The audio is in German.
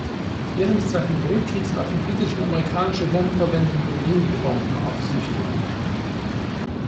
Während des Zweiten Weltkriegs warfen britische und amerikanische Bomberverbände nur wenige Bomben auf Süchteln.